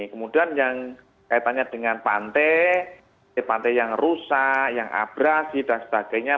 kemudian yang kaitannya dengan pantai pantai yang rusak yang abrasi dan sebagainya